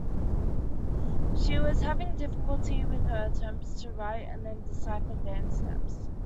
She was having difficulty with her attempts to write and then decipher dance steps.